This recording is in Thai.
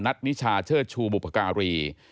นิชาเชิดชูบุพการี